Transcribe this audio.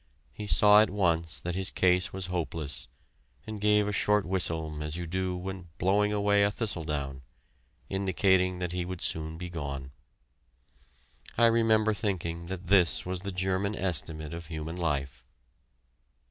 He saw at once that his case was hopeless, and gave a short whistle as you do when blowing away a thistledown, indicating that he would soon be gone. I remember thinking that this was the German estimate of human life.